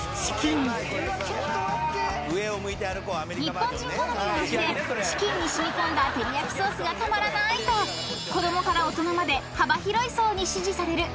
［日本人好みの味でチキンに染み込んだ照り焼きソースがたまらないと子供から大人まで幅広い層に支持される人気のピザ］